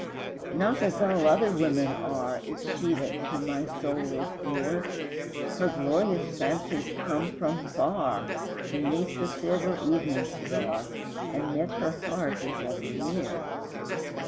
Not as all other women are Is she that to my soul is dear; Her glorious fancies come from far, Beneath the silver evening star, And yet her heart is ever near.